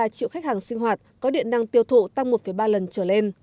bảy sáu mươi ba triệu khách hàng sinh hoạt có điện năng tiêu thụ tăng một ba lần trở lên